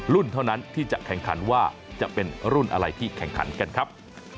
รุ่นเท่านั้นที่จะแข่งขันว่าจะเป็นรุ่นอะไรที่แข่งขันกันครับ